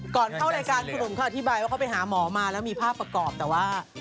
ก่อนเข้ารายการคุณหนุ่มเขาอธิบายว่าเขาไปหาหมอมาแล้วมีภาพประกอบแต่ว่า